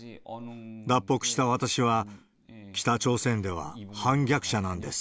脱北した私は、北朝鮮では反逆者なんです。